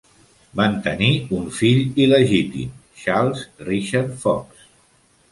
Van tenir un fill il·legítim, Charles Richard Fox.